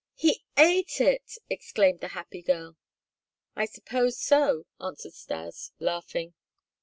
"He ate it!" exclaimed the happy girl. "I suppose so," answered Stas, laughing.